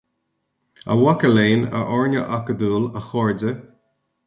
A mhaca léinn, a fhoirne acadúil, a chairde,